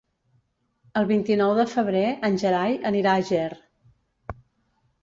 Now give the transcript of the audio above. El vint-i-nou de febrer en Gerai anirà a Ger.